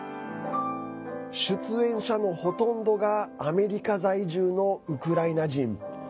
出演者のほとんどがアメリカ在住のウクライナ人。